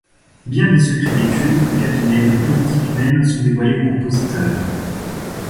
Bien des secrets d’étude, de cabinet, de politique même, sont dévoilés au compositeur.